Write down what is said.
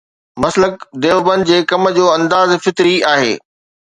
مسلڪ ديوبند جي ڪم جو انداز فطري آهي.